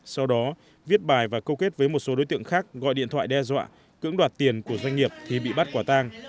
sau đó viết bài và câu kết với một số đối tượng khác gọi điện thoại đe dọa cưỡng đoạt tiền của doanh nghiệp thì bị bắt quả tang